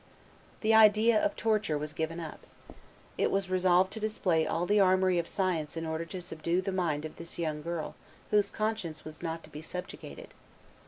The idea of torture was given up. It was resolved to display all the armory of science in order to subdue the mind of this young girl, whose conscience was not to be subjugated.